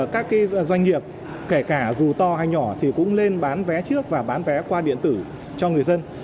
các doanh nghiệp kể cả dù to hay nhỏ thì cũng nên bán vé trước và bán vé qua điện tử cho người dân